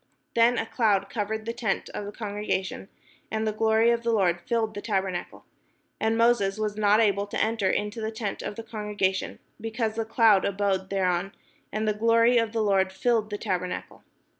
Then a cloud covered the tent of the congregation, and the glory of the Lord filled the tabernacle. And Moses was not able to enter into the tent of the congre gation, because the cloud abode thereon, and the glory of the Lord filled the tabernacle.